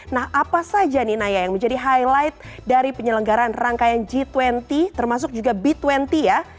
nah apa saja nih naya yang menjadi highlight dari penyelenggaran rangkaian g dua puluh termasuk juga b dua puluh ya